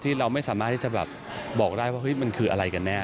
ที่เราไม่สามารถที่จะแบบบอกได้ว่ามันคืออะไรกันแน่